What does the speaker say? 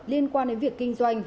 liên quan đến việc kinh doanh